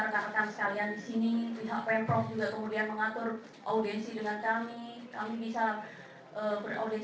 sekarang sebetulnya gini